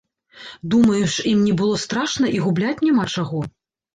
Думаеш, ім не было страшна і губляць няма чаго?